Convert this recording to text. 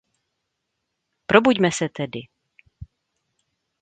Probuďme se tedy!